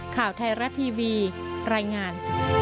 ข่าวไทยรัฐทีวีรายงาน